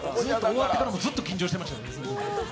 終わってからもずっと緊張してましたよ。